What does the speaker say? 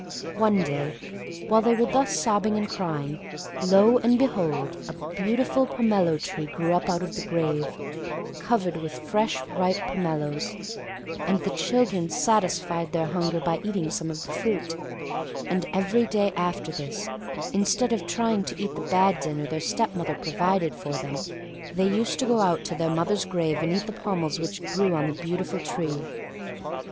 One day, while they were thus sobbing and crying, lo and behold! a beautiful pomelo tree grew up out of the grave, covered with fresh, ripe pomeloes, and the children satisfied their hunger by eating some of the fruit, and every day after this, instead of trying to eat the bad dinner their stepmother provided for them, they used to go out to their mother's grave and eat the pommels which grew there on the beautiful tree.